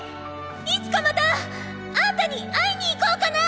いつかまたあんたに会いに行こーかな！